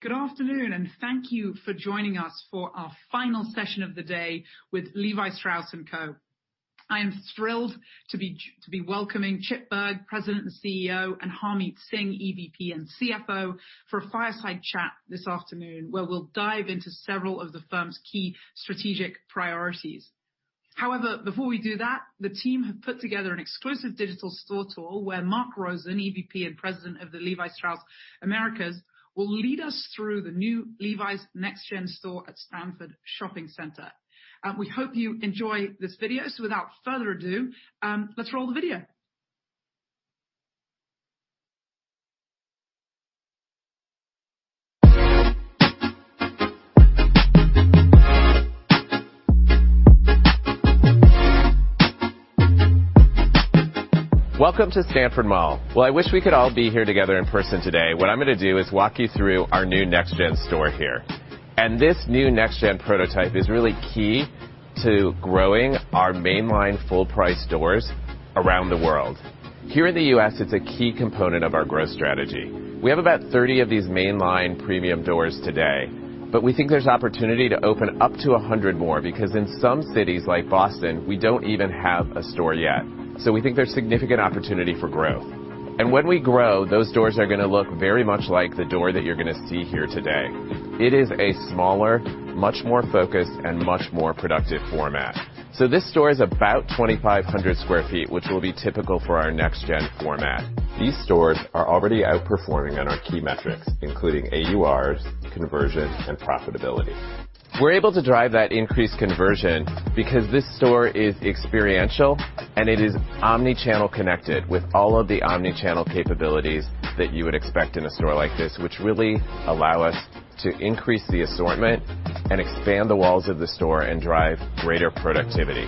Good afternoon, thank you for joining us for our final session of the day with Levi Strauss & Co. I am thrilled to be welcoming Chip Bergh, President and CEO, and Harmit Singh, EVP and CFO, for a fireside chat this afternoon, where we'll dive into several of the firm's key strategic priorities. Before we do that, the team have put together an exclusive digital store tour where Marc Rosen, EVP and President of the Levi Strauss Americas, will lead us through the new Levi's next-gen store at Stanford Shopping Center. We hope you enjoy this video. Without further ado, let's roll the video. Welcome to Stanford Mall. I wish we could all be here together in person today. What I'm going to do is walk you through our new next-gen store here. This new next-gen prototype is really key to growing our mainline full-price stores around the world. Here in the U.S., it's a key component of our growth strategy. We have about 30 of these mainline premium stores today, but we think there's opportunity to open up to 100 more, because in some cities, like Boston, we don't even have a store yet. We think there's significant opportunity for growth. When we grow, those stores are going to look very much like the store that you're going to see here today. It is a smaller, much more focused, and much more productive format. This store is about 2,500 sq ft, which will be typical for our next-gen format. These stores are already outperforming on our key metrics, including AURs, conversion, and profitability. We're able to drive that increased conversion because this store is experiential and it is omnichannel connected with all of the omnichannel capabilities that you would expect in a store like this, which really allow us to increase the assortment and expand the walls of the store and drive greater productivity.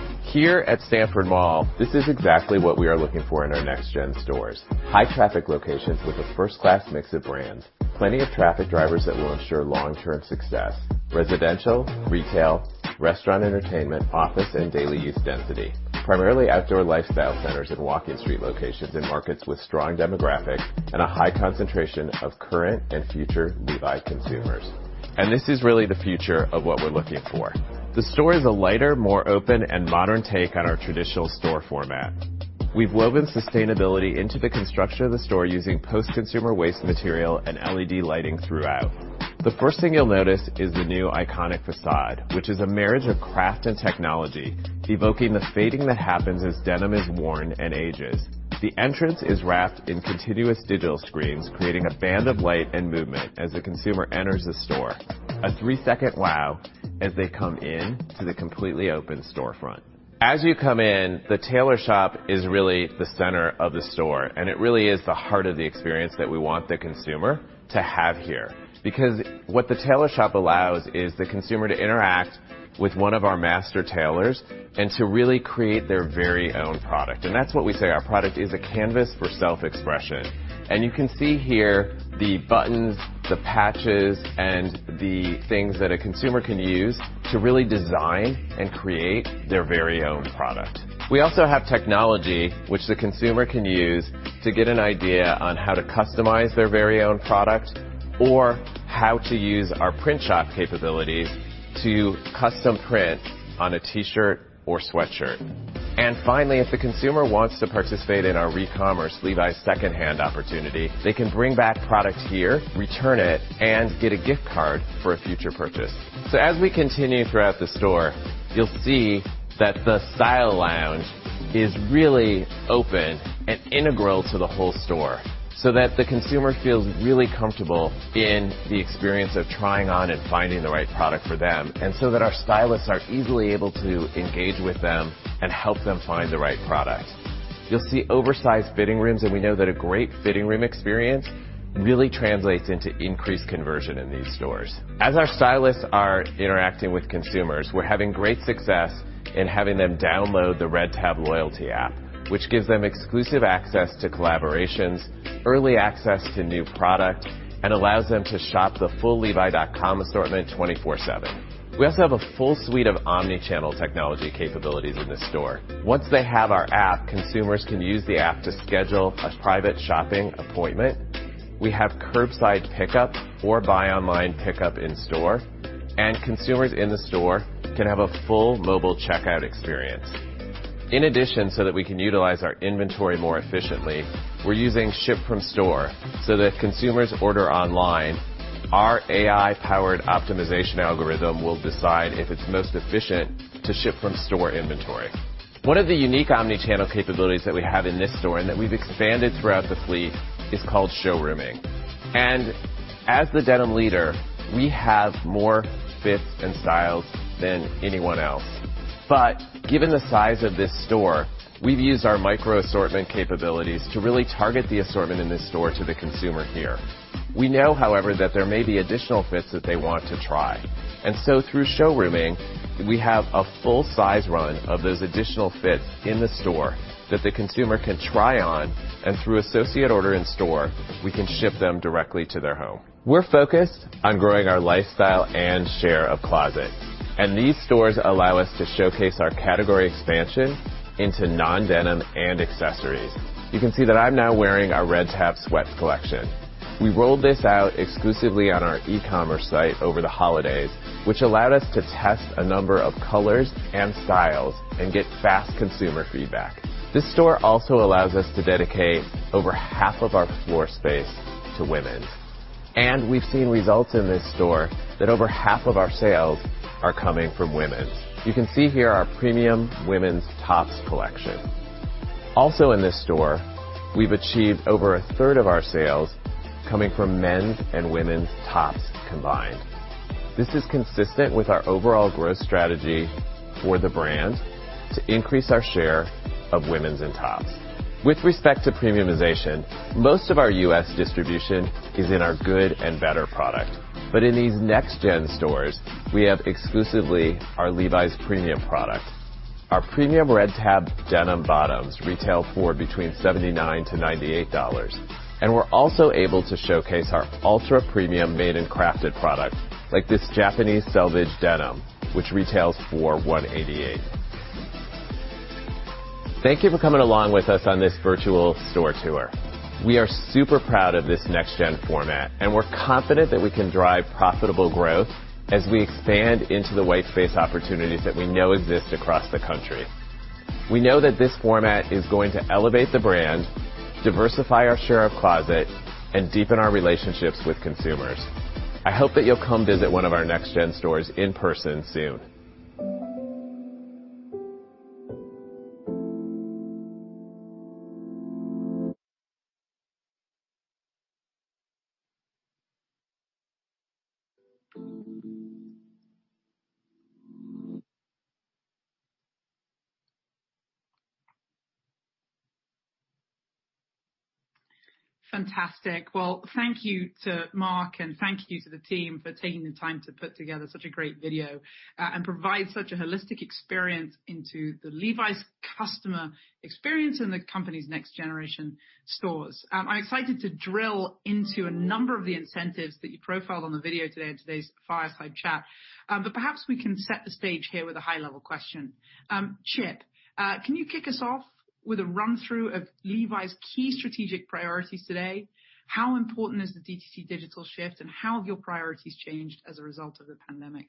At Stanford Mall, this is exactly what we are looking for in our next-gen stores. High-traffic locations with a first-class mix of brands, plenty of traffic drivers that will ensure long-term success, residential, retail, restaurant entertainment, office, and daily use density. Primarily outdoor lifestyle centers and walk-in street locations in markets with strong demographics and a high concentration of current and future Levi consumers. This is really the future of what we're looking for. The store is a lighter, more open, and modern take on our traditional store format. We've woven sustainability into the construction of the store using post-consumer waste material and LED lighting throughout. The first thing you'll notice is the new iconic facade, which is a marriage of craft and technology, evoking the fading that happens as denim is worn and ages. The entrance is wrapped in continuous digital screens, creating a band of light and movement as the consumer enters the store. A three-second wow as they come in to the completely open storefront. As you come in, the tailor shop is really the center of the store, and it really is the heart of the experience that we want the consumer to have here. Because what the tailor shop allows is the consumer to interact with one of our master tailors and to really create their very own product. That's what we say, our product is a canvas for self-expression. You can see here the buttons, the patches, and the things that a consumer can use to really design and create their very own product. We also have technology which the consumer can use to get an idea on how to customize their very own product or how to use our print shop capabilities to custom print on a T-shirt or sweatshirt. Finally, if the consumer wants to participate in our recommerce Levi's SecondHand opportunity, they can bring back product here, return it, and get a gift card for a future purchase. As we continue throughout the store, you'll see that the style lounge is really open and integral to the whole store, so that the consumer feels really comfortable in the experience of trying on and finding the right product for them, and so that our stylists are easily able to engage with them and help them find the right product. You'll see oversized fitting rooms, and we know that a great fitting room experience really translates into increased conversion in these stores. As our stylists are interacting with consumers, we're having great success in having them download the Red Tab loyalty app, which gives them exclusive access to collaborations, early access to new product, and allows them to shop the full levi.com assortment 24/7. We also have a full suite of omnichannel technology capabilities in the store. Once they have our app, consumers can use the app to schedule a private shopping appointment. We have curbside pickup or buy online pickup in store, and consumers in the store can have a full mobile checkout experience. In addition, so that we can utilize our inventory more efficiently, we're using ship from store, so that if consumers order online, our AI-powered optimization algorithm will decide if it's most efficient to ship from store inventory. One of the unique omnichannel capabilities that we have in this store, and that we've expanded throughout the fleet, is called showrooming. As the denim leader, we have more fits and styles than anyone else. Given the size of this store, we've used our micro assortment capabilities to really target the assortment in this store to the consumer here. We know, however, that there may be additional fits that they want to try. Through showrooming, we have a full size run of those additional fits in the store that the consumer can try on, and through associate order in store, we can ship them directly to their home. We're focused on growing our lifestyle and share of closet, and these stores allow us to showcase our category expansion into non-denim and accessories. You can see that I'm now wearing our Red Tab Sweats collection. We rolled this out exclusively on our e-commerce site over the holidays, which allowed us to test a number of colors and styles and get fast consumer feedback. This store also allows us to dedicate over half of our floor space to women. We've seen results in this store that over half of our sales are coming from women. You can see here our premium women's tops collection. Also in this store, we've achieved over a third of our sales coming from men's and women's tops combined. This is consistent with our overall growth strategy for the brand to increase our share of women's and tops. With respect to premiumization, most of our U.S. distribution is in our good and better product. In these next-gen stores, we have exclusively our Levi's premium product. Our premium Red Tab denim bottoms retail for $79-$98. We're also able to showcase our ultra-premium Made & Crafted product, like this Japanese selvedge denim, which retails for $188. Thank you for coming along with us on this virtual store tour. We are super proud of this next-gen format, and we're confident that we can drive profitable growth as we expand into the white space opportunities that we know exist across the country. We know that this format is going to elevate the brand, diversify our share of closet, and deepen our relationships with consumers. I hope that you will come visit one of our next-gen stores in person soon. Fantastic. Well, thank you to Marc, and thank you to the team for taking the time to put together such a great video, and provide such a holistic experience into the Levi's customer experience in the company's next-generation stores. I'm excited to drill into a number of the incentives that you profiled on the video today in today's fireside chat. Perhaps we can set the stage here with a high level question. Chip, can you kick us off with a run-through of Levi's key strategic priorities today? How important is the DTC digital shift, and how have your priorities changed as a result of the pandemic?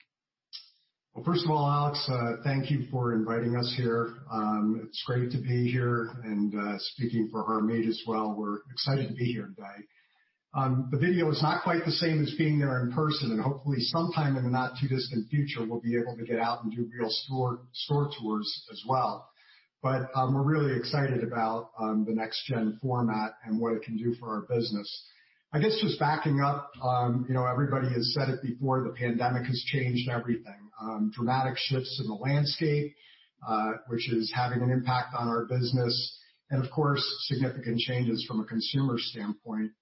Well, first of all, Alex, thank you for inviting us here. It's great to be here, and speaking for Harmit as well, we're excited to be here today. The video is not quite the same as being there in person, and hopefully sometime in the not-too-distant future, we'll be able to get out and do real store tours as well. We're really excited about the next-gen format and what it can do for our business. I guess just backing up, everybody has said it before, the pandemic has changed everything. Dramatic shifts in the landscape, which is having an impact on our business. Of course, significant changes from a consumer standpoint.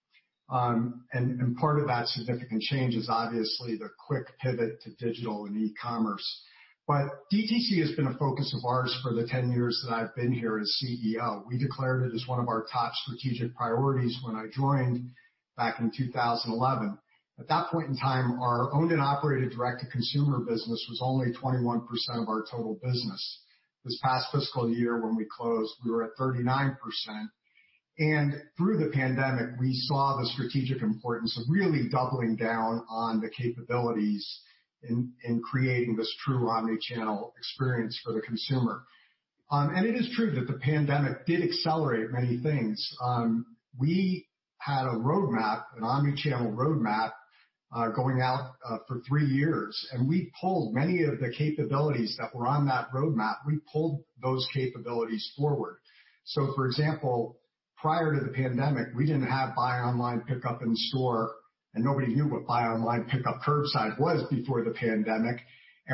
Part of that significant change is obviously the quick pivot to digital and e-commerce. DTC has been a focus of ours for the 10 years that I've been here as CEO. We declared it as one of our top strategic priorities when I joined back in 2011. At that point in time, our owned and operated direct to consumer business was only 21% of our total business. This past fiscal year, when we closed, we were at 39%. Through the pandemic, we saw the strategic importance of really doubling down on the capabilities in creating this true omni-channel experience for the consumer. It is true that the pandemic did accelerate many things. We had a roadmap, an omni-channel roadmap, going out for three years, and we pulled many of the capabilities that were on that roadmap, we pulled those capabilities forward. So for example, prior to the pandemic, we didn't have buy online, pickup in store, and nobody knew what buy online, pickup curbside was before the pandemic.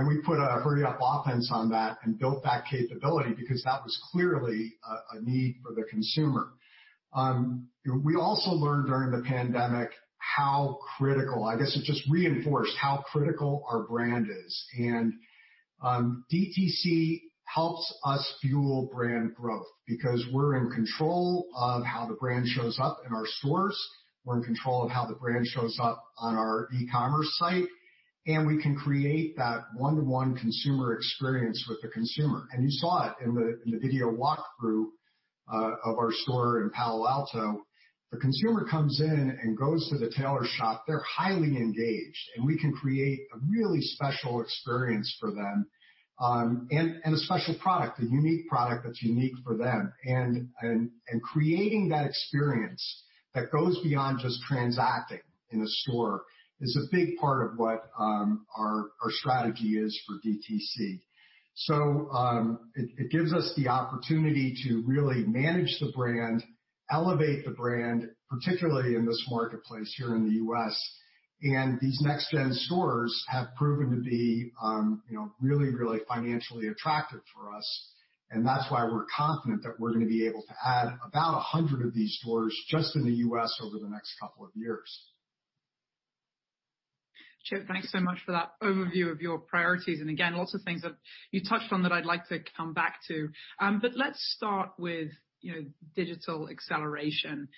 We put a hurry up offense on that and built that capability because that was clearly a need for the consumer. We also learned during the pandemic how critical, I guess it just reinforced how critical our brand is. DTC helps us fuel brand growth, because we're in control of how the brand shows up in our stores. We're in control of how the brand shows up on our e-commerce site, and we can create that one-to-one consumer experience with the consumer. You saw it in the video walkthrough of our store in Palo Alto. The consumer comes in and goes to the tailor shop. They're highly engaged, and we can create a really special experience for them. A special product, a unique product that's unique for them. Creating that experience that goes beyond just transacting in a store is a big part of what our strategy is for DTC. It gives us the opportunity to really manage the brand, elevate the brand, particularly in this marketplace here in the U.S. These next-gen stores have proven to be really financially attractive for us, and that's why we're confident that we're going to be able to add about 100 of these stores just in the U.S. over the next couple of years. Chip, thanks so much for that overview of your priorities. Again, lots of things that you touched on that I'd like to come back to. Let's start with digital acceleration.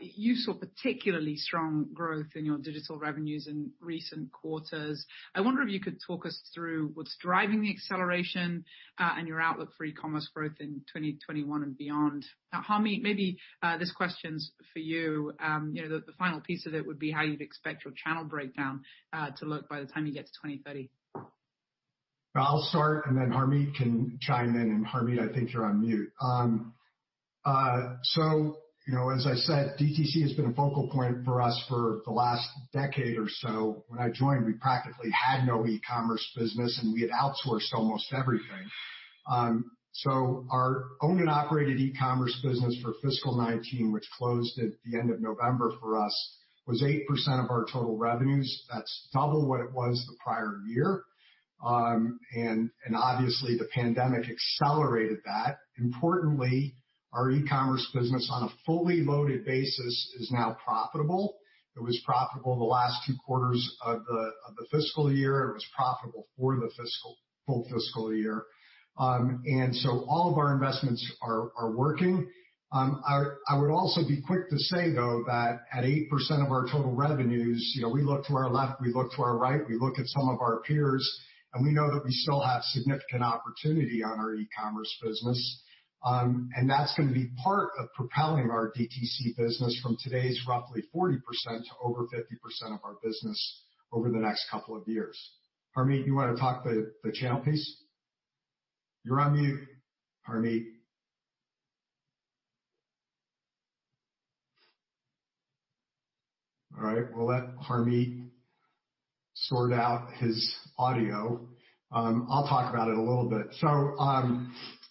You saw particularly strong growth in your digital revenues in recent quarters. I wonder if you could talk us through what's driving the acceleration, and your outlook for e-commerce growth in 2021 and beyond. Now, Harmit, maybe this question's for you. The final piece of it would be how you'd expect your channel breakdown to look by the time you get to 2030. I'll start and then Harmit can chime in. Harmit, I think you're on mute. As I said, DTC has been a focal point for us for the last decade or so. When I joined, we practically had no e-commerce business, and we had outsourced almost everything. Our owned and operated e-commerce business for fiscal 2019, which closed at the end of November for us, was 8% of our total revenues. That's double what it was the prior year. Obviously, the pandemic accelerated that. Importantly, our e-commerce business on a fully loaded basis is now profitable. It was profitable the last two quarters of the fiscal year. It was profitable for the full fiscal year. All of our investments are working. I would also be quick to say, though, that at 8% of our total revenues, we look to our left, we look to our right, we look at some of our peers, and we know that we still have significant opportunity on our e-commerce business. That's going to be part of propelling our DTC business from today's roughly 40% to over 50% of our business over the next couple of years. Harmit, you want to talk the channel piece? You're on mute, Harmit. All right. We'll let Harmit sort out his audio. I'll talk about it a little bit.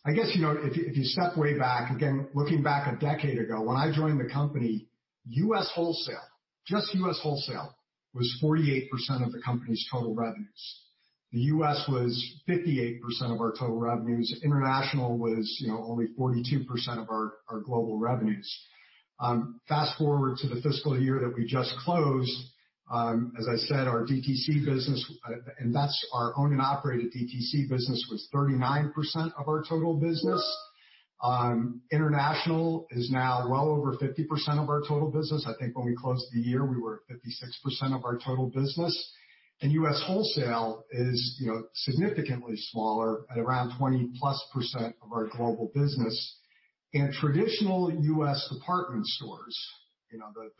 I guess, if you step way back, again, looking back a decade ago, when I joined the company, U.S. wholesale, just U.S. wholesale, was 48% of the company's total revenues. The U.S. was 58% of our total revenues. International was only 42% of our global revenues. Fast-forward to the fiscal year that we just closed, as I said, our DTC business, and that's our owned and operated DTC business, was 39% of our total business. International is now well over 50% of our total business. I think when we closed the year, we were at 56% of our total business. U.S. wholesale is significantly smaller at around 20+% of our global business. Traditional U.S. department stores,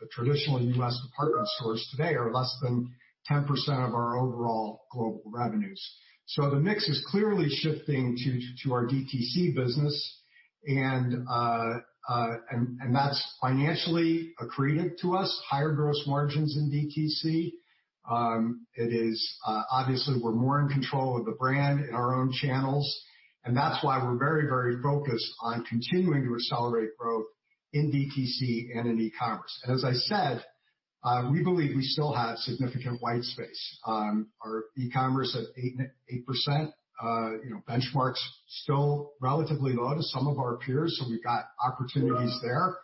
the traditional U.S. department stores today are less than 10% of our overall global revenues. The mix is clearly shifting to our DTC business, and that's financially accretive to us, higher gross margins in DTC. Obviously, we're more in control of the brand in our own channels, and that's why we're very focused on continuing to accelerate growth in DTC and in e-commerce. As I said, we believe we still have significant white space. Our e-commerce at 8%, benchmark's still relatively low to some of our peers, we've got opportunities there.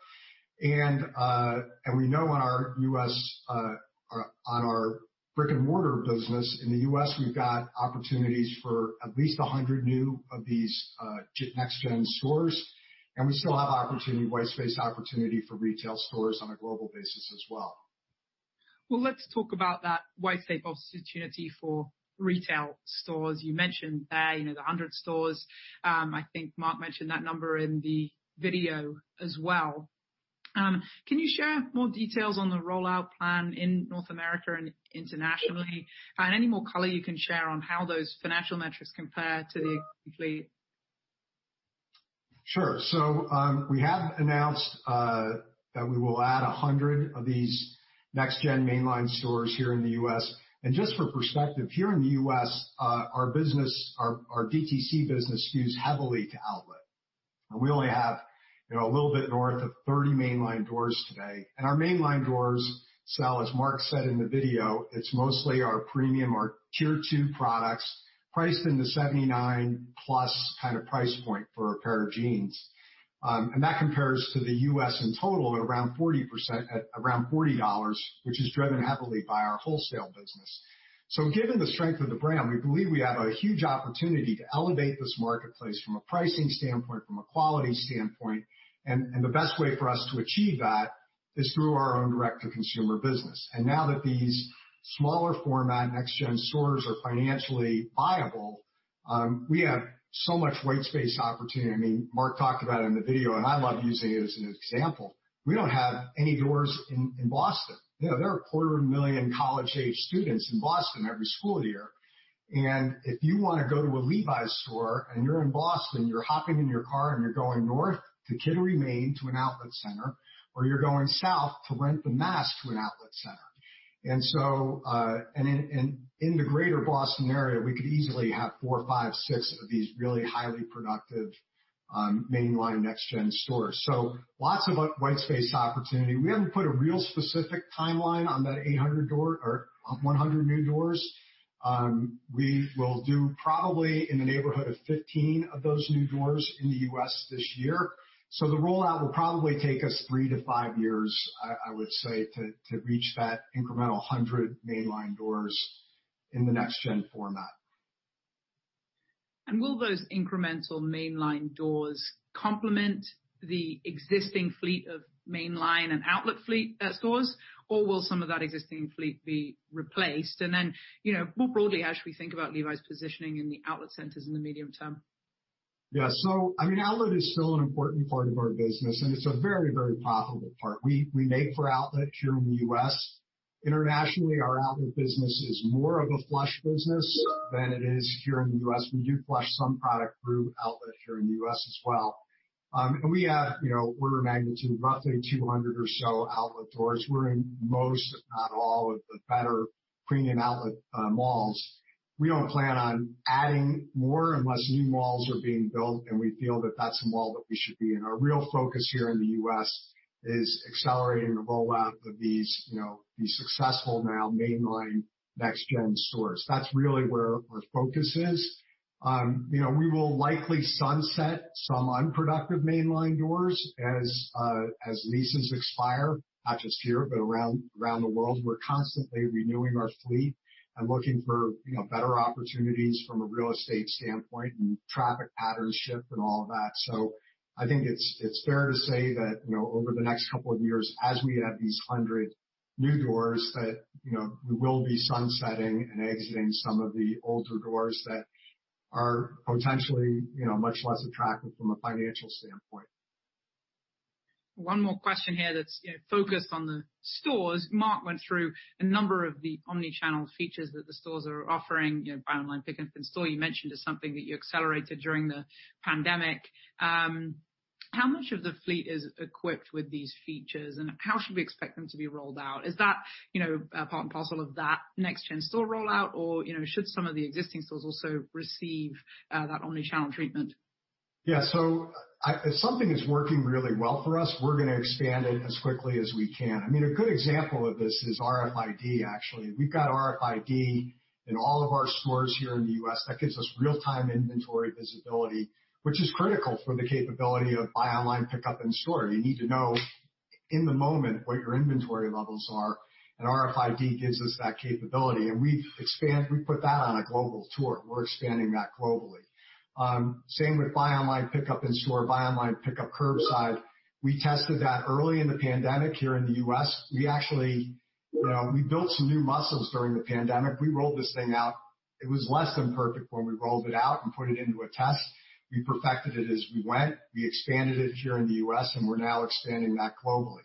We know on our brick-and-mortar business in the U.S., we've got opportunities for at least 100 new of these next-gen stores, and we still have white space opportunity for retail stores on a global basis as well. Well, let's talk about that white space opportunity for retail stores. You mentioned there, the 100 stores. I think Marc mentioned that number in the video as well. Can you share more details on the rollout plan in North America and internationally? Any more color you can share on how those financial metrics compare to the? Sure. We have announced that we will add 100 of these next-gen mainline stores here in the U.S. Just for perspective, here in the U.S., our DTC business skews heavily to outlet. We only have a little bit north of 30 mainline doors today. Our mainline doors sell, as Marc said in the video, it's mostly our premium or Tier two products priced in the $79+ kind of price point for a pair of jeans. That compares to the U.S. in total at around 40% at around $40, which is driven heavily by our wholesale business. Given the strength of the brand, we believe we have a huge opportunity to elevate this marketplace from a pricing standpoint, from a quality standpoint, and the best way for us to achieve that is through our own direct-to-consumer business. Now that these smaller format next-gen stores are financially viable, we have so much white space opportunity. Marc talked about it in the video, I love using it as an example. We don't have any doors in Boston. There are a quarter of a million college-aged students in Boston every school year. If you want to go to a Levi's store and you're in Boston, you're hopping in your car and you're going north to Kittery, Maine, to an outlet center, or you're going south to Wrentham, Mass., to an outlet center. In the greater Boston area, we could easily have four, five, six of these really highly productive mainline next-gen stores. Lots of white space opportunity. We haven't put a real specific timeline on that 100 new doors. We will do probably in the neighborhood of 15 of those new doors in the U.S. this year. The rollout will probably take us three to five years, I would say, to reach that incremental 100 mainline doors in the next-gen format. Will those incremental mainline doors complement the existing fleet of mainline and outlet fleet stores, or will some of that existing fleet be replaced? More broadly, how should we think about Levi's positioning in the outlet centers in the medium-term? Yeah. Outlet is still an important part of our business, and it's a very profitable part. We make for outlet here in the U.S. Internationally, our outlet business is more of a flush business than it is here in the U.S. We do flush some product through outlet here in the U.S. as well. We're a magnitude roughly 200 or so outlet stores. We're in most, if not all, of the better premium outlet malls. We don't plan on adding more unless new malls are being built, and we feel that that's a mall that we should be in. Our real focus here in the U.S. is accelerating the rollout of these successful now mainline next-gen stores. That's really where our focus is. We will likely sunset some unproductive mainline doors as leases expire, not just here, but around the world. We're constantly renewing our fleet and looking for better opportunities from a real estate standpoint and traffic pattern shift and all of that. I think it's fair to say that, over the next couple of years, as we add these 100 new doors, that we will be sunsetting and exiting some of the older doors that are potentially much less attractive from a financial standpoint. One more question here that's focused on the stores. Marc went through a number of the omni-channel features that the stores are offering, buy online, pickup in store, you mentioned is something that you accelerated during the pandemic. How much of the fleet is equipped with these features, and how should we expect them to be rolled out? Is that a part and parcel of that next-gen store rollout, or should some of the existing stores also receive that omni-channel treatment? Yeah. If something is working really well for us, we're going to expand it as quickly as we can. A good example of this is RFID, actually. We've got RFID in all of our stores here in the U.S. That gives us real-time inventory visibility, which is critical for the capability of buy online, pickup in store. You need to know in the moment what your inventory levels are, and RFID gives us that capability. We've put that on a global tour. We're expanding that globally. Same with buy online, pickup in store, buy online, pickup curbside. We tested that early in the pandemic here in the U.S. We built some new muscles during the pandemic. We rolled this thing out. It was less than perfect when we rolled it out and put it into a test. We perfected it as we went. We expanded it here in the U.S., and we're now expanding that globally.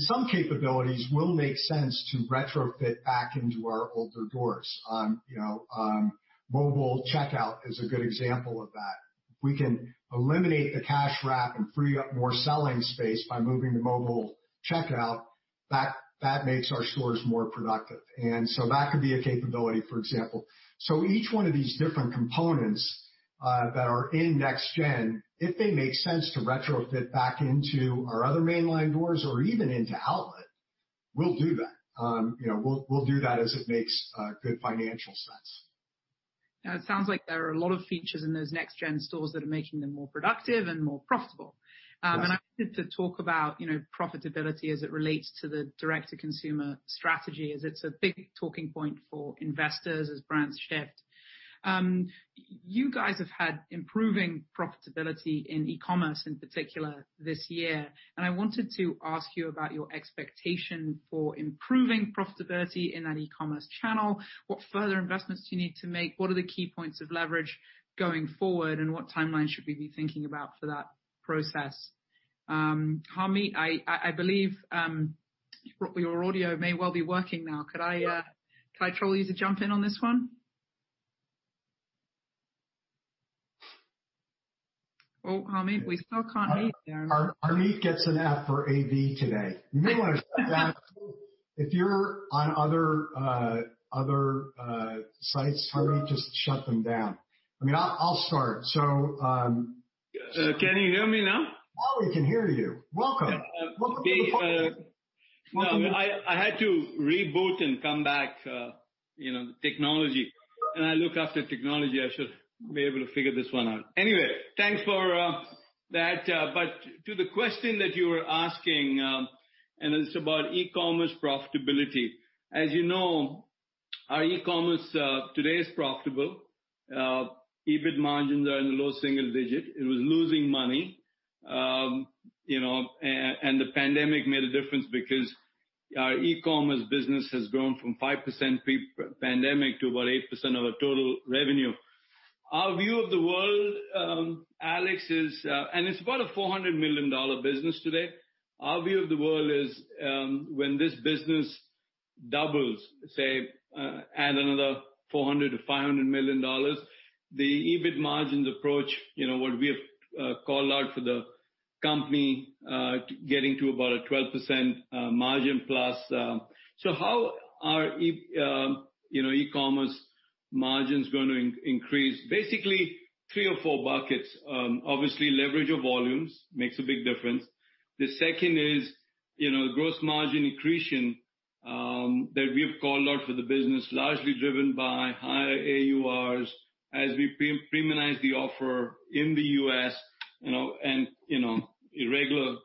Some capabilities will make sense to retrofit back into our older doors. Mobile checkout is a good example of that. If we can eliminate the cash wrap and free up more selling space by moving to mobile checkout, that makes our stores more productive. That could be a capability, for example. Each one of these different components that are in next-gen, if they make sense to retrofit back into our other mainline doors or even into outlet, we'll do that. We'll do that as it makes good financial sense. It sounds like there are a lot of features in those next-gen stores that are making them more productive and more profitable. Yes. I wanted to talk about profitability as it relates to the direct-to-consumer strategy, as it's a big talking point for investors as brands shift. You guys have had improving profitability in e-commerce in particular this year, and I wanted to ask you about your expectation for improving profitability in that e-commerce channel. What further investments do you need to make? What are the key points of leverage going forward, and what timeline should we be thinking about for that process? Harmit, I believe your audio may well be working now. Could I troll you to jump in on this one? Oh, Harmit, we still can't hear you. Harmit gets an F for AV today. If you're on other sites, Harmit, just shut them down. I'll start. Can you hear me now? Now we can hear you. Welcome. Welcome to the party. I had to reboot and come back, the technology. When I look after technology, I should be able to figure this one out. Thanks for that. To the question that you were asking, and it's about e-commerce profitability. As you know, our e-commerce today is profitable. EBIT margins are in the low single-digit. It was losing money, and the pandemic made a difference because our e-commerce business has grown from 5% pre-pandemic to about 8% of our total revenue. Our view of the world, Alex, is. It's about a $400 million business today. Our view of the world is, when this business doubles, say, add another $400 million-$500 million, the EBIT margins approach, what we have called out for the company, getting to about a 12% margin plus. How are e-commerce margins going to increase? Basically, three or four buckets. Obviously, leverage of volumes makes a big difference. The second is gross margin accretion that we have called out for the business, largely driven by higher AURs as we premiumize the offer in the U.S., and irregular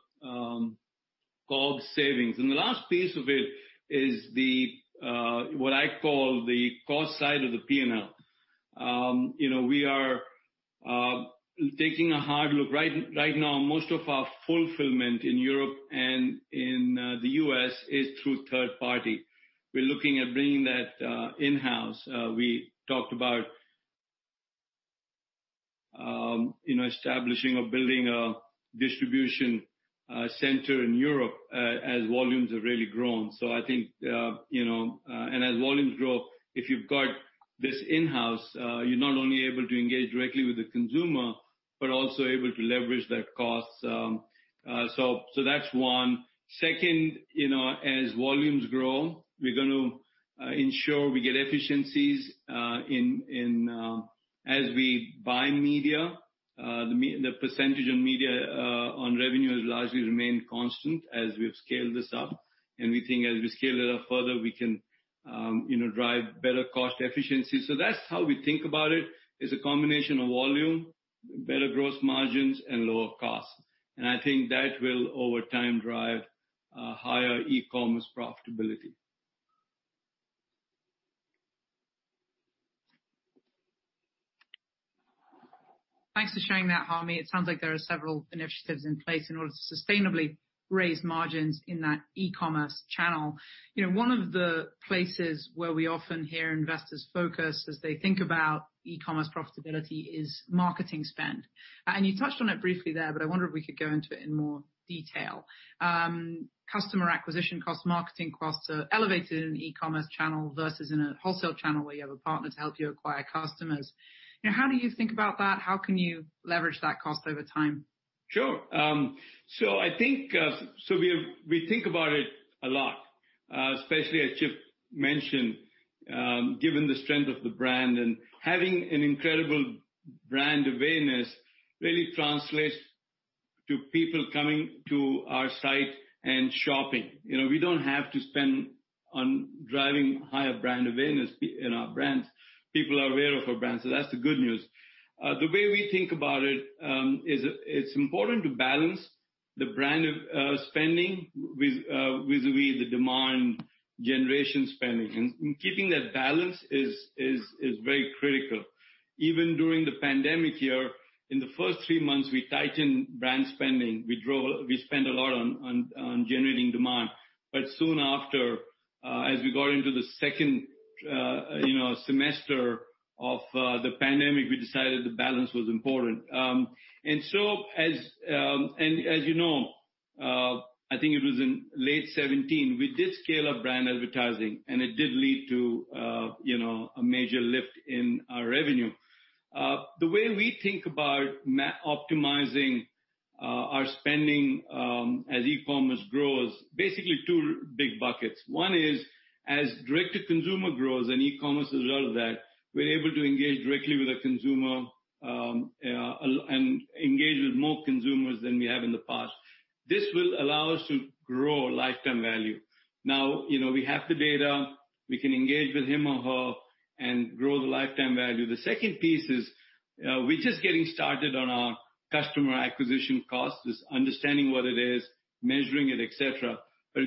COGS savings. The last piece of it is what I call the cost side of the P&L. We are taking a hard look. Right now, most of our fulfillment in Europe and in the U.S. is through third party. We're looking at bringing that in-house. We talked about establishing or building a distribution center in Europe as volumes have really grown. I think as volumes grow, if you've got this in-house, you're not only able to engage directly with the consumer, but also able to leverage that cost. That's one. Second, as volumes grow, we're going to ensure we get efficiencies as we buy media. The percentage of media on revenue has largely remained constant as we've scaled this up. We think as we scale it up further, we can drive better cost efficiency. That's how we think about it, is a combination of volume, better gross margins, and lower cost. I think that will, over time, drive higher e-commerce profitability. Thanks for sharing that, Harmit. It sounds like there are several initiatives in place in order to sustainably raise margins in that e-commerce channel. One of the places where we often hear investors focus as they think about e-commerce profitability is marketing spend. You touched on it briefly there, but I wonder if we could go into it in more detail. Customer acquisition costs, marketing costs are elevated in an e-commerce channel versus in a wholesale channel where you have a partner to help you acquire customers. How do you think about that? How can you leverage that cost over time? Sure. We think about it a lot, especially as Chip mentioned, given the strength of the brand and having an incredible brand awareness really translates to people coming to our site and shopping. We don't have to spend on driving higher brand awareness in our brands. People are aware of our brands. That's the good news. The way we think about it, is it's important to balance the brand spending vis-a-vis the demand generation spending. Keeping that balance is very critical. Even during the pandemic year, in the first three months, we tightened brand spending. We spent a lot on generating demand. Soon after, as we got into the second semester of the pandemic, we decided the balance was important. As you know, I think it was in late 2017, we did scale up brand advertising, and it did lead to a major lift in our revenue. The way we think about optimizing our spending as e-commerce grows, basically two big buckets. One is as direct-to-consumer grows and e-commerce is a result of that, we're able to engage directly with the consumer, and engage with more consumers than we have in the past. This will allow us to grow lifetime value. Now, we have the data, we can engage with him or her and grow the lifetime value. The second piece is we're just getting started on our customer acquisition cost, is understanding what it is, measuring it, et cetera.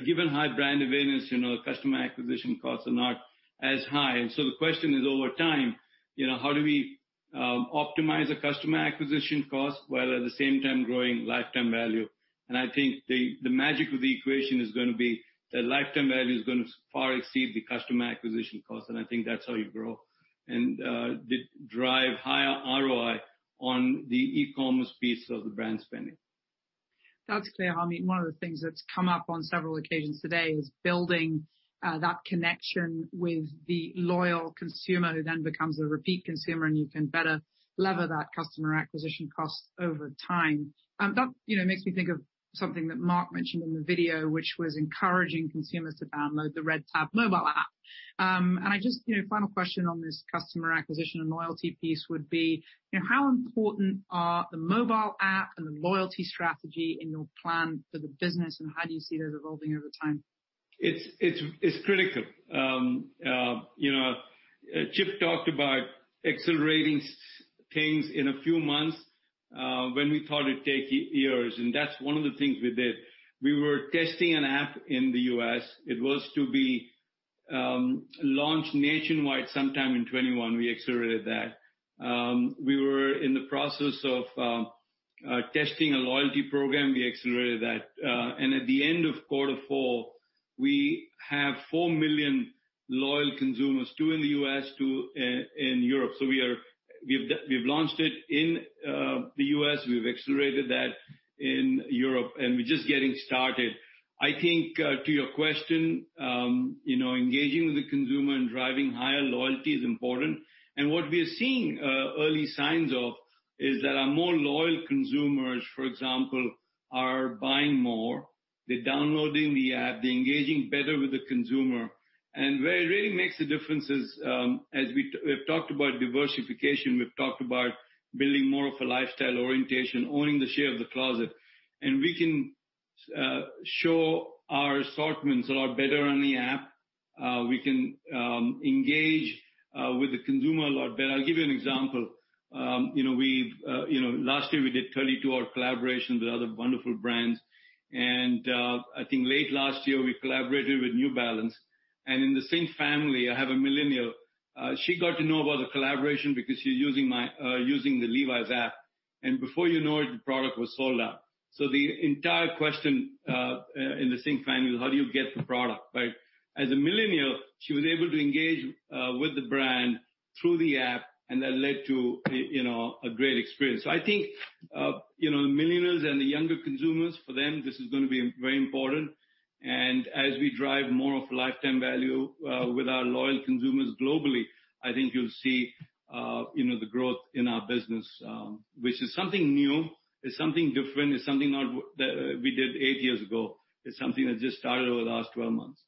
Given high brand awareness, customer acquisition costs are not as high. The question is, over time, how do we optimize a customer acquisition cost while at the same time growing lifetime value? I think the magic of the equation is going to be that lifetime value is going to far exceed the customer acquisition cost, and I think that's how you grow and drive higher ROI on the e-commerce piece of the brand spending. That's clear, Harmit. One of the things that's come up on several occasions today is building that connection with the loyal consumer who then becomes a repeat consumer, and you can better lever that customer acquisition cost over time. That makes me think of something that Marc mentioned in the video, which was encouraging consumers to download the Red Tab mobile app. Just, final question on this customer acquisition and loyalty piece would be, how important are the mobile app and the loyalty strategy in your plan for the business, and how do you see those evolving over time? It's critical. Chip talked about accelerating things in a few months when we thought it'd take years. That's one of the things we did. We were testing an app in the U.S., it was to be launched nationwide sometime in 2021. We accelerated that. We were in the process of testing a loyalty program. We accelerated that. At the end of quarter four, we have 4 million loyal consumers, two in the U.S., two in Europe. We've launched it in the U.S., we've accelerated that in Europe, and we're just getting started. I think, to your question, engaging with the consumer and driving higher loyalty is important. What we are seeing early signs of is that our more loyal consumers, for example, are buying more. They're downloading the app. They're engaging better with the consumer. Where it really makes the difference is, as we have talked about diversification, we've talked about building more of a lifestyle orientation, owning the share of the closet. We can show our assortments a lot better on the app. We can engage with the consumer a lot better. I'll give you an example. Last year, we did 32 of our collaborations with other wonderful brands. I think late last year, we collaborated with New Balance. In the same family, I have a millennial. She got to know about the collaboration because she's using the Levi's app. Before you know it, the product was sold out. The entire question in the sync plan was, how do you get the product, right? As a millennial, she was able to engage with the brand through the app, and that led to a great experience. I think millennials and the younger consumers, for them, this is going to be very important. As we drive more of lifetime value with our loyal consumers globally, I think you'll see the growth in our business, which is something new. It's something different. It's something not that we did eight years ago. It's something that just started over the last 12 months.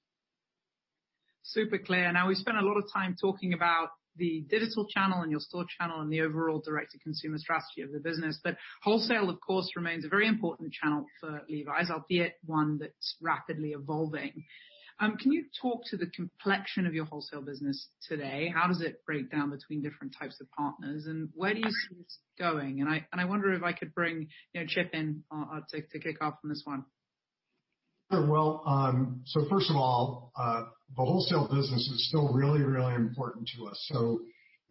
Super clear. We spent a lot of time talking about the digital channel and your store channel and the overall direct-to-consumer strategy of the business. Wholesale, of course, remains a very important channel for Levi's, albeit one that's rapidly evolving. Can you talk to the complexion of your wholesale business today? How does it break down between different types of partners, and where do you see this going? I wonder if I could bring Chip in to kick off on this one. Sure. Well, first of all, the wholesale business is still really, really important to us.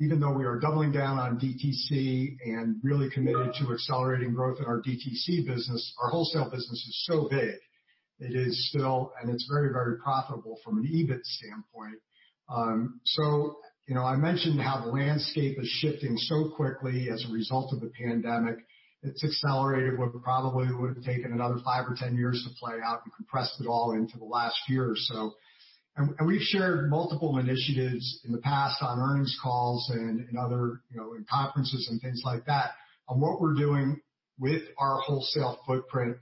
Even though we are doubling down on DTC and really committed to accelerating growth in our DTC business, our wholesale business is so big. It is still, and it's very, very profitable from an EBIT standpoint. I mentioned how the landscape is shifting so quickly as a result of the pandemic. It's accelerated what probably would have taken another 5 or 10 years to play out and compressed it all into the last year or so. We've shared multiple initiatives in the past on earnings calls and in other conferences and things like that on what we're doing with our wholesale footprint,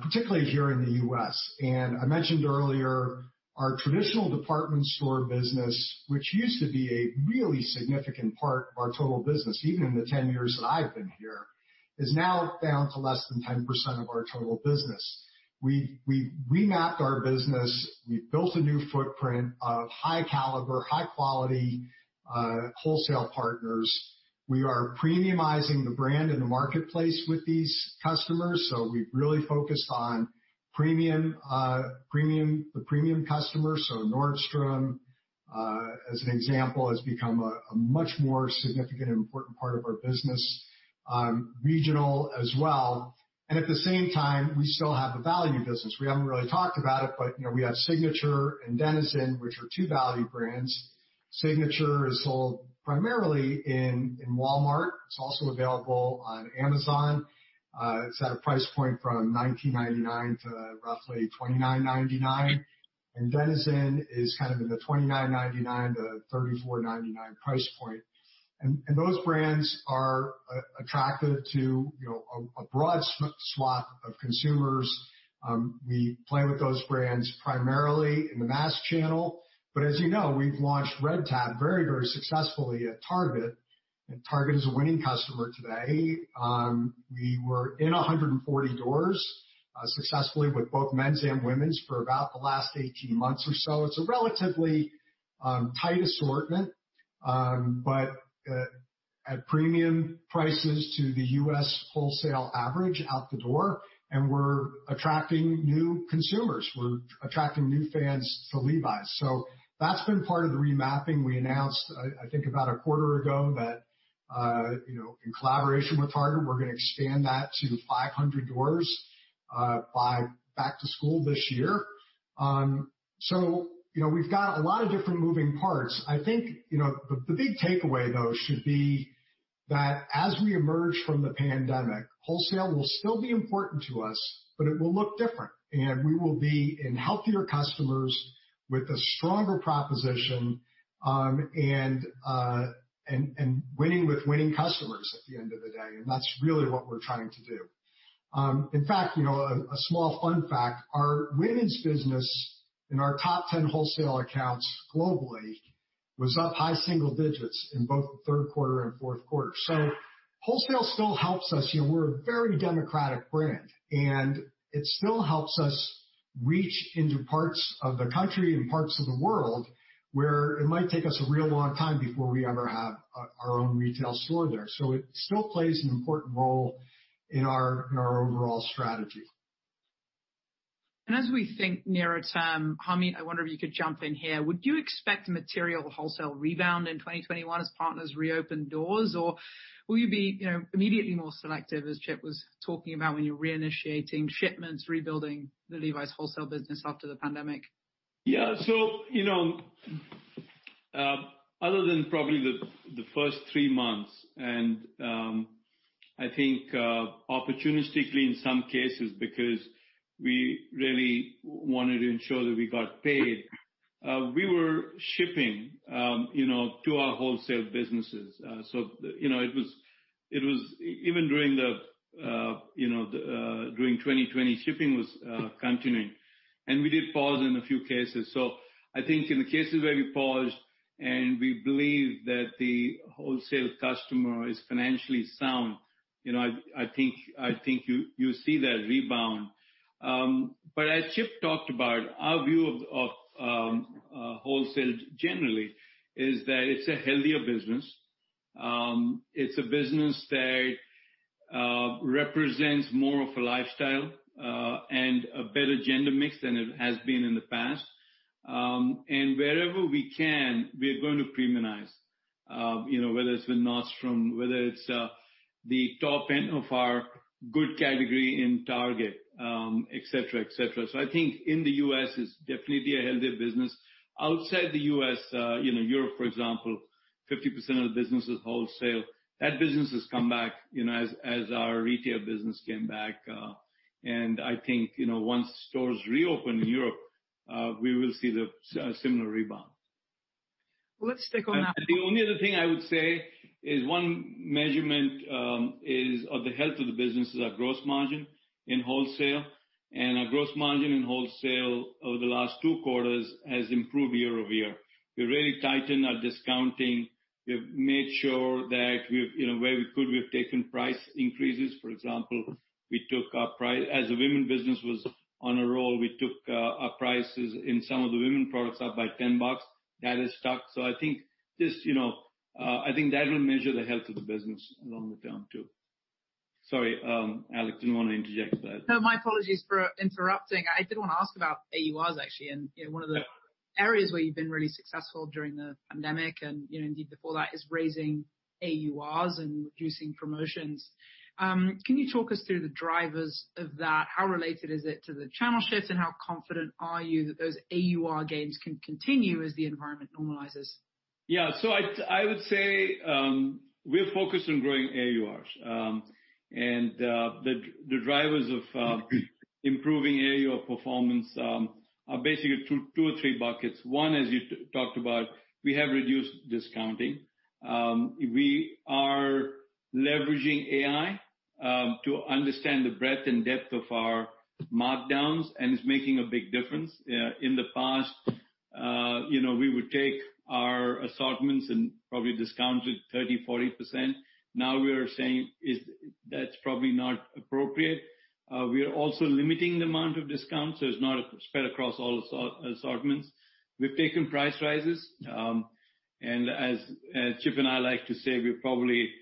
particularly here in the U.S. I mentioned earlier, our traditional department store business, which used to be a really significant part of our total business, even in the 10 years that I've been here, is now down to less than 10% of our total business. We remapped our business. We built a new footprint of high caliber, high quality wholesale partners. We are premiumizing the brand in the marketplace with these customers. We've really focused on the premium customer. Nordstrom, as an example, has become a much more significant and important part of our business. Regional as well. At the same time, we still have the value business. We haven't really talked about it, but we have Signature and Denizen, which are two value brands. Signature is sold primarily in Walmart. It's also available on Amazon. It's at a price point from $19.99 to roughly $29.99. Denizen is kind of in the $29.99-$34.99 price point. Those brands are attractive to a broad swath of consumers. We play with those brands primarily in the mass channel. As you know, we've launched Red Tab very, very successfully at Target, and Target is a winning customer today. We were in 140 doors successfully with both men's and women's for about the last 18 months or so. It's a relatively tight assortment, but at premium prices to the U.S. wholesale average out the door, and we're attracting new consumers. We're attracting new fans to Levi's. That's been part of the remapping. We announced, I think about a quarter ago, that in collaboration with Target, we're going to expand that to 500 doors by back to school this year. We've got a lot of different moving parts. I think the big takeaway, though, should be that as we emerge from the pandemic, wholesale will still be important to us, but it will look different, and we will be in healthier customers with a stronger proposition, and winning with winning customers at the end of the day. That's really what we're trying to do. In fact, a small fun fact, our women's business in our top 10 wholesale accounts globally was up high single digits in both the third quarter and fourth quarter. Wholesale still helps us. We're a very democratic brand, and it still helps us reach into parts of the country and parts of the world where it might take us a real long time before we ever have our own retail store there. It still plays an important role in our overall strategy. As we think nearer-term, Harmit, I wonder if you could jump in here. Would you expect a material wholesale rebound in 2021 as partners reopen doors, or will you be immediately more selective, as Chip was talking about, when you're reinitiating shipments, rebuilding the Levi's wholesale business after the pandemic? Yeah. Other than probably the first three months, and I think opportunistically in some cases because we really wanted to ensure that we got paid, we were shipping to our wholesale businesses. It was even during 2020, shipping was continuing, and we did pause in a few cases. I think in the cases where we paused and we believe that the wholesale customer is financially sound, I think you see that rebound. As Chip talked about, our view of wholesale generally is that it's a healthier business. It's a business that represents more of a lifestyle, and a better gender mix than it has been in the past. Wherever we can, we're going to premiumize. Whether it's with Nordstrom, whether it's the top end of our good category in Target, et cetera. I think in the U.S., it's definitely a healthier business. Outside the U.S., Europe, for example, 50% of the business is wholesale. That business has come back, as our retail business came back. I think, once stores reopen in Europe, we will see a similar rebound. Let's stick on that. The only other thing I would say is one measurement, of the health of the business, is our gross margin in wholesale. Our gross margin in wholesale over the last two quarters has improved year-over-year. We really tightened our discounting. We have made sure that where we could, we've taken price increases. For example, as the women business was on a roll, we took our prices in some of the women products up by $10. That has stuck. I think that'll measure the health of the business longer-term, too. Sorry, Alex, didn't want to interject that. No, my apologies for interrupting. I did want to ask about AURs, actually. One of the areas where you've been really successful during the pandemic and indeed before that, is raising AURs and reducing promotions. Can you talk us through the drivers of that? How related is it to the channel shift, and how confident are you that those AUR gains can continue as the environment normalizes? I would say, we're focused on growing AURs. The drivers of improving AUR performance are basically two or three buckets. One, as you talked about, we have reduced discounting. We are leveraging AI to understand the breadth and depth of our markdowns, and it's making a big difference. In the past, we would take our assortments and probably discount it 30%, 40%. Now we are saying, "That's probably not appropriate." We are also limiting the amount of discount, so it's not spread across all assortments. We've taken price rises. As Chip and I like to say, we're probably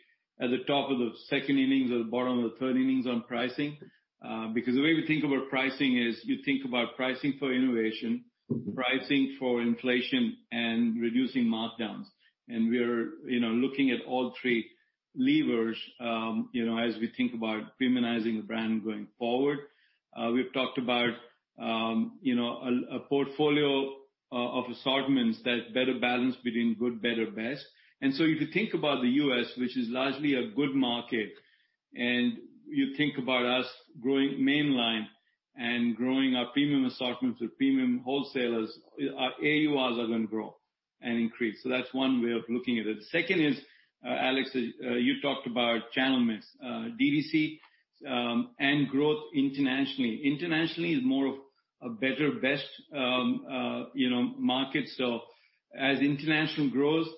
at the top of the second innings or the bottom of the third innings on pricing. The way we think about pricing is you think about pricing for innovation, pricing for inflation, and reducing markdowns. We are looking at all three levers as we think about premiumizing the brand going forward. We've talked about a portfolio of assortments that better balance between good, better, best. If you think about the U.S., which is largely a good market, and you think about us growing mainline and growing our premium assortments with premium wholesalers, our AURs are going to grow and increase. That's one way of looking at it. Second is, Alex, you talked about channel mix. DTC and growth internationally. Internationally is more of a better, best market. As international grows,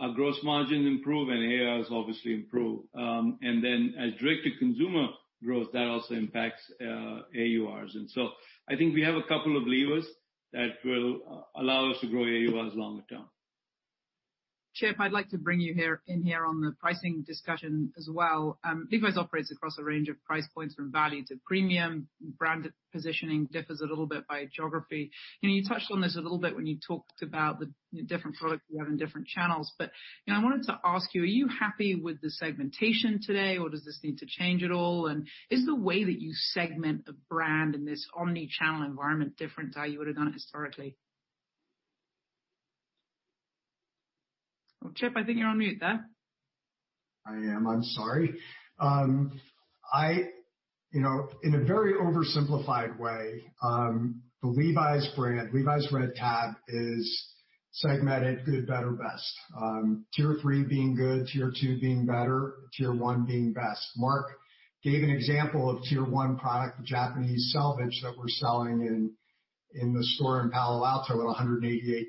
our gross margins improve, and AURs obviously improve. As direct-to-consumer grows, that also impacts AURs. I think we have a couple of levers that will allow us to grow AURs longer-term. Chip, I'd like to bring you in here on the pricing discussion as well. Levi's operates across a range of price points from value to premium. Brand positioning differs a little bit by geography. You touched on this a little bit when you talked about the different products you have in different channels. I wanted to ask you, are you happy with the segmentation today, or does this need to change at all? Is the way that you segment a brand in this omni-channel environment different to how you would've done it historically? Chip, I think you're on mute there. I am. I'm sorry. In a very oversimplified way, the Levi's brand, Levi's Red Tab is segmented good, better, best. Tier 3 being good, Tier 2 being better, Tier 1 being best. Marc gave an example of Tier 1 product, the Japanese selvedge that we're selling in the store in Palo Alto at $188.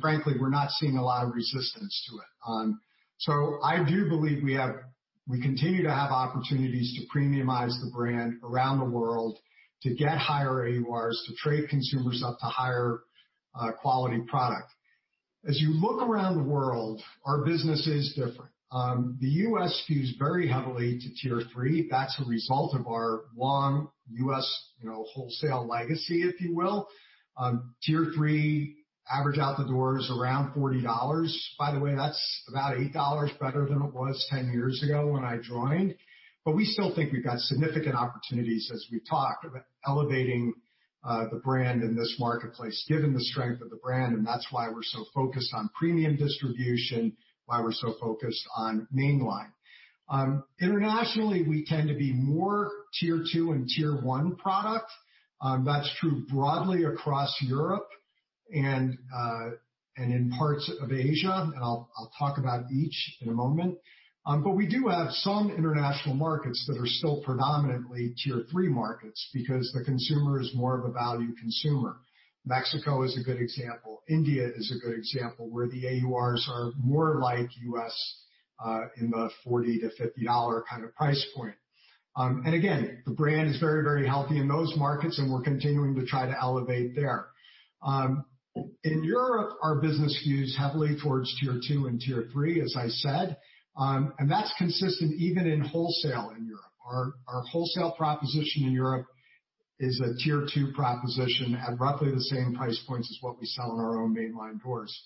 Frankly, we're not seeing a lot of resistance to it. I do believe we continue to have opportunities to premiumize the brand around the world to get higher AURs, to trade consumers up to higher quality product. You look around the world, our business is different. The U.S. skews very heavily to Tier 3. That's a result of our long U.S. wholesale legacy, if you will. Tier 3 average out the door is around $40. By the way, that's about $8 better than it was 10 years ago when I joined. We still think we've got significant opportunities, as we've talked about elevating the brand in this marketplace, given the strength of the brand. That's why we're so focused on premium distribution, why we're so focused on mainline. Internationally, we tend to be more Tier 2 and Tier 1 product. That's true broadly across Europe and in parts of Asia, and I'll talk about each in a moment. We do have some international markets that are still predominantly Tier 3 markets because the consumer is more of a value consumer. Mexico is a good example. India is a good example, where the AURs are more like U.S., in the $40-$50 kind of price point. Again, the brand is very, very healthy in those markets, and we're continuing to try to elevate there. In Europe, our business skews heavily towards Tier 2 and Tier 3, as I said. That's consistent even in wholesale in Europe. Our wholesale proposition in Europe is a Tier 2 proposition at roughly the same price points as what we sell in our own mainline stores.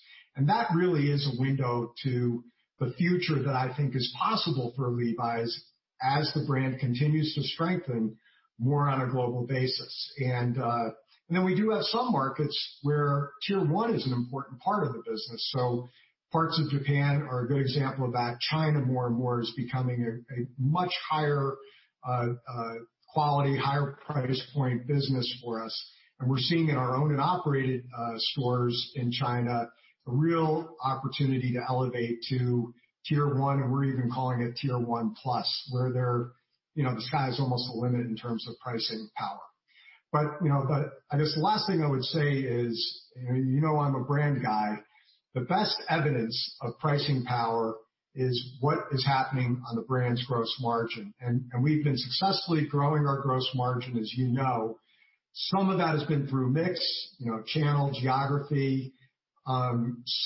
That really is a window to the future that I think is possible for Levi's as the brand continues to strengthen more on a global basis. We do have some markets where Tier 1 is an important part of the business. Parts of Japan are a good example of that. China, more and more, is becoming a much higher quality, higher price point business for us. We're seeing in our owned and operated stores in China a real opportunity to elevate to Tier 1, and we're even calling it Tier 1+, where the sky is almost the limit in terms of pricing power. I guess the last thing I would say is, you know I'm a brand guy. The best evidence of pricing power is what is happening on the brand's gross margin. We've been successfully growing our gross margin, as you know. Some of that has been through mix, channel, geography.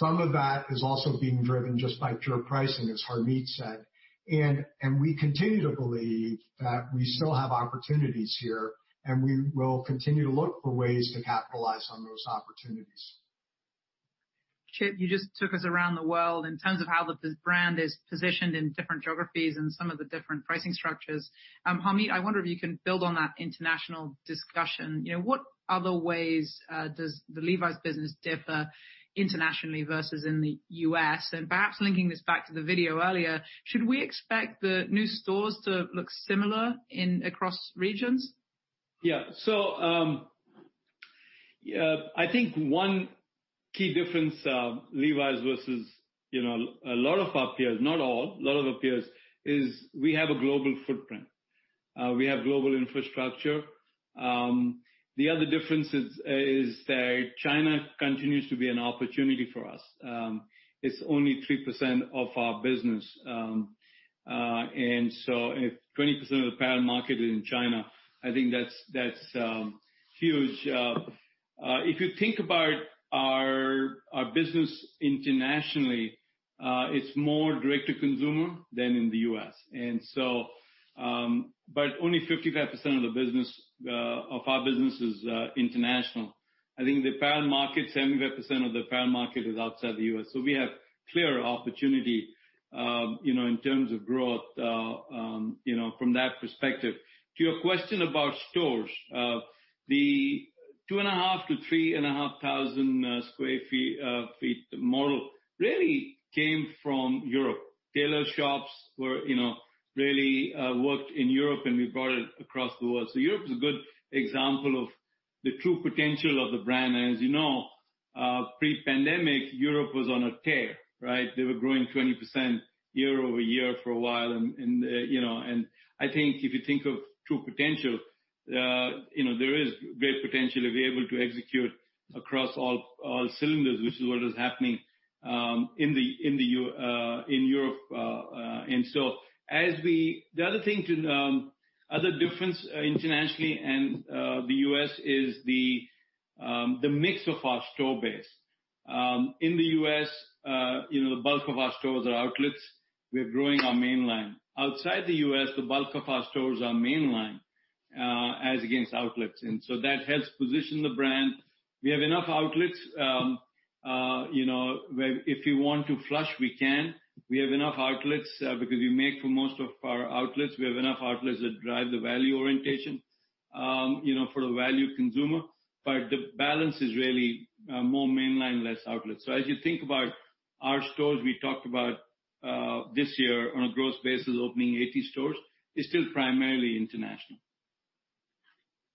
Some of that is also being driven just by pure pricing, as Harmit said. We continue to believe that we still have opportunities here, and we will continue to look for ways to capitalize on those opportunities. Chip, you just took us around the world in terms of how the brand is positioned in different geographies and some of the different pricing structures. Harmit, I wonder if you can build on that international discussion. What other ways does the Levi's business differ internationally versus in the U.S.? Perhaps linking this back to the video earlier, should we expect the new stores to look similar across regions? I think one key difference, Levi's versus a lot of our peers, not all, a lot of our peers, is we have a global footprint. We have global infrastructure. The other difference is that China continues to be an opportunity for us. It's only 3% of our business. If 20% of the apparel market is in China, I think that's huge. If you think about our business internationally, it's more direct to consumer than in the U.S. Only 55% of our business is international. I think 75% of the apparel market is outside the U.S. We have clear opportunity in terms of growth from that perspective. To your question about stores. The 2,500-3,500 sq ft model really came from Europe. Tailor shops really worked in Europe, and we brought it across the world. Europe is a good example of the true potential of the brand. As you know, pre-pandemic, Europe was on a tear, right? They were growing 20% year-over-year for a while. I think if you think of true potential, there is great potential if we're able to execute across all cylinders, which is what is happening in Europe. The other difference internationally and the U.S. is the mix of our store base. In the U.S., the bulk of our stores are outlets. We're growing our mainline. Outside the U.S., the bulk of our stores are mainline as against outlets. That helps position the brand. We have enough outlets where if we want to flush, we can. We have enough outlets because we make for most of our outlets. We have enough outlets that drive the value orientation for the value consumer. The balance is really more mainline, less outlets. As you think about our stores, we talked about this year on a gross basis, opening 80 stores, it's still primarily international.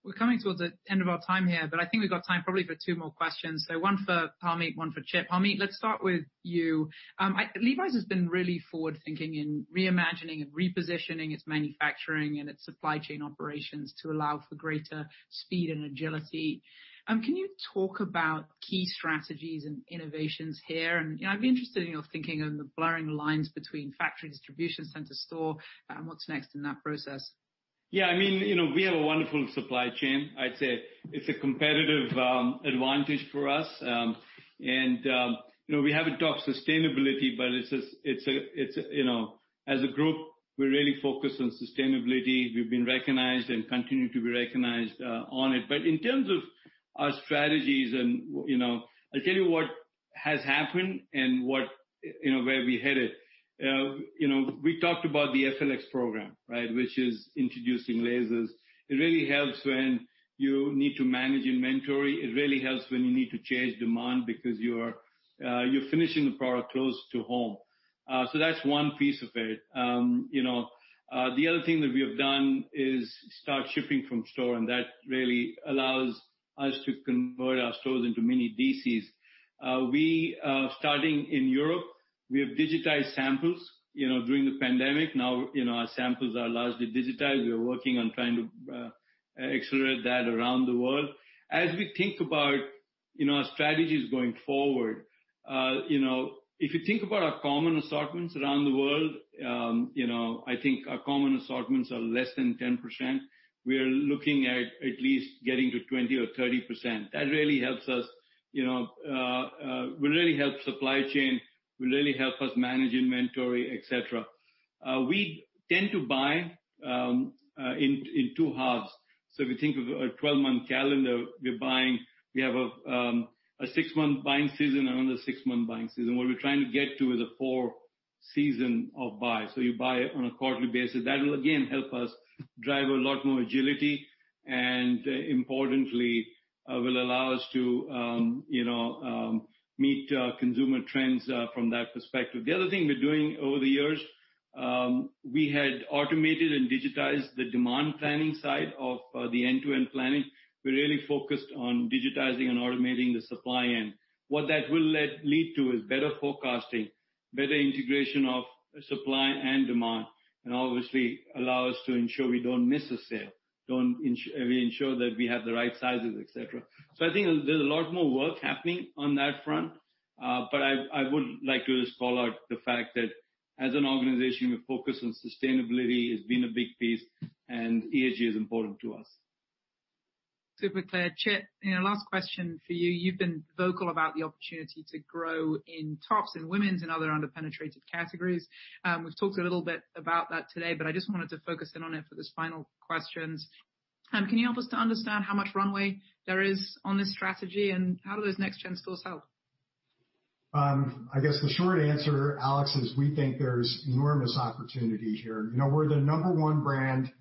We're coming towards the end of our time here, but I think we've got time probably for two more questions. One for Harmit, one for Chip. Harmit, let's start with you. Levi's has been really forward-thinking in reimagining and repositioning its manufacturing and its supply chain operations to allow for greater speed and agility. Can you talk about key strategies and innovations here? I'd be interested in your thinking on the blurring lines between factory distribution center store and what's next in that process. Yeah. We have a wonderful supply chain. I'd say it's a competitive advantage for us. We haven't talked sustainability, but as a group, we're really focused on sustainability. We've been recognized and continue to be recognized on it. In terms of our strategies, I'll tell you what has happened and where we're headed. We talked about the F.L.X. program, which is introducing lasers. It really helps when you need to manage inventory. It really helps when you need to change demand because you're finishing the product close to home. That's one piece of it. The other thing that we have done is start shipping from store, and that really allows us to convert our stores into mini DCs. Starting in Europe, we have digitized samples during the pandemic. Now our samples are largely digitized. We are working on trying to accelerate that around the world. As we think about our strategies going forward, if you think about our common assortments around the world, I think our common assortments are less than 10%. We are looking at least getting to 20% or 30%. That really helps us. Will really help supply chain, will really help us manage inventory, et cetera. We tend to buy in two halves. If you think of a 12-month calendar, we have a six-month buying season and another six-month buying season. What we're trying to get to is a four season of buy. You buy on a quarterly basis. That will again help us drive a lot more agility, and importantly, will allow us to meet consumer trends from that perspective. The other thing we're doing over the years, we had automated and digitized the demand planning side of the end-to-end planning. We're really focused on digitizing and automating the supply end. What that will lead to is better forecasting, better integration of supply and demand, obviously allow us to ensure we don't miss a sale, we ensure that we have the right sizes, et cetera. I think there's a lot more work happening on that front. I would like to just call out the fact that as an organization, we're focused on sustainability, it's been a big piece, and ESG is important to us. Super clear. Chip, last question for you. You've been vocal about the opportunity to grow in tops and women's and other under-penetrated categories. We've talked a little bit about that today. I just wanted to focus in on it for this final question. Can you help us to understand how much runway there is on this strategy, and how do those next-gen stores help? I guess the short answer, Alex, is we think there's enormous opportunity here. We're the number one brand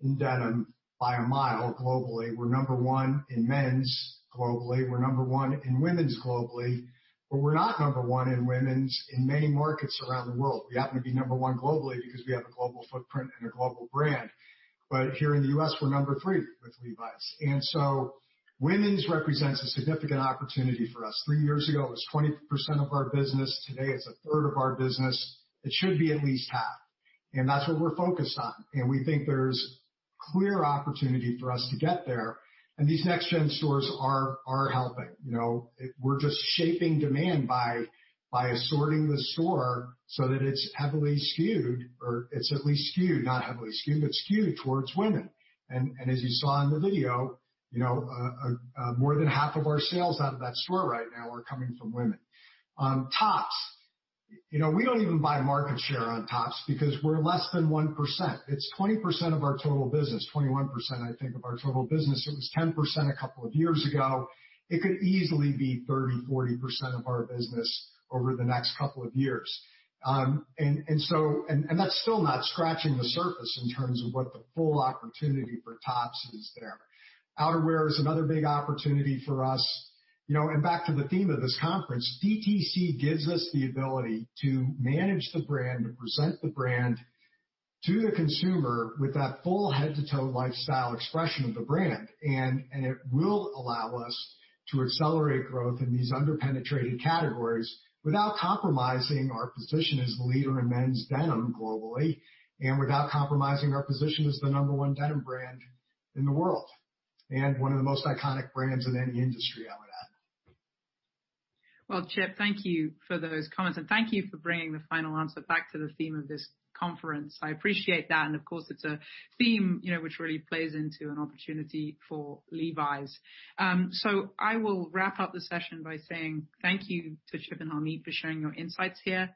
in denim by a mile globally. We're number one in men's globally. We're number one in women's globally, but we're not number one in women's in many markets around the world. We happen to be number one globally because we have a global footprint and a global brand. Here in the U.S., we're number three with Levi's. Women's represents a significant opportunity for us. Three years ago, it was 20% of our business. Today, it's a third of our business. It should be at least half, and that's what we're focused on. We think there's clear opportunity for us to get there, and these next-gen stores are helping. We're just shaping demand by assorting the store so that it's heavily skewed, or it's at least skewed. Not heavily skewed, but skewed towards women. As you saw in the video, more than half of our sales out of that store right now are coming from women. Tops. We don't even buy market share on tops because we're less than 1%. It's 20% of our total business, 21%, I think, of our total business. It was 10% a couple of years ago. It could easily be 30%-40% of our business over the next couple of years. That's still not scratching the surface in terms of what the full opportunity for tops is there. Outerwear is another big opportunity for us. Back to the theme of this conference, DTC gives us the ability to manage the brand, to present the brand to the consumer with that full head-to-toe lifestyle expression of the brand. It will allow us to accelerate growth in these under-penetrated categories without compromising our position as the leader in men's denim globally, without compromising our position as the number one denim brand in the world, and one of the most iconic brands in any industry, I would add. Well, Chip, thank you for those comments. Thank you for bringing the final answer back to the theme of this conference. I appreciate that. Of course, it's a theme which really plays into an opportunity for Levi's. I will wrap up the session by saying thank you to Chip and Harmit for sharing your insights here.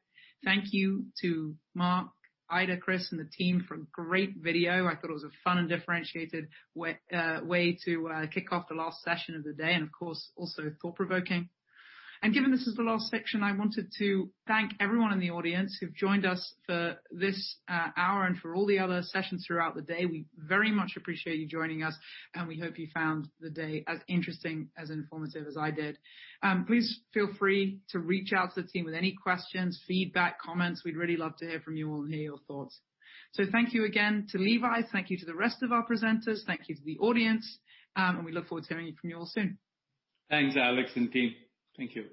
Thank you to Marc, Aida, Chris, and the team for a great video. I thought it was a fun and differentiated way to kick off the last session of the day, and of course, also thought-provoking. Given this is the last session, I wanted to thank everyone in the audience who've joined us for this hour and for all the other sessions throughout the day. We very much appreciate you joining us, and we hope you found the day as interesting, as informative as I did. Please feel free to reach out to the team with any questions, feedback, comments. We'd really love to hear from you all and hear your thoughts. Thank you again to Levi's. Thank you to the rest of our presenters. Thank you to the audience, and we look forward to hearing from you all soon. Thanks, Alex and team. Thank you.